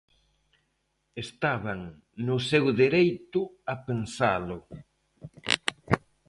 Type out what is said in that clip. Estaban no seu dereito a pensalo.